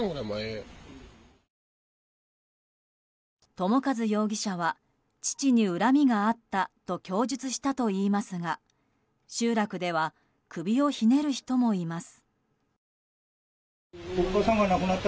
友和容疑者は、父に恨みがあったと供述したといいますが集落では首をひねる人もいます。